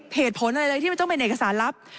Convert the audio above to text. เหตุผลที่ต้องเป็นเอกสารลับ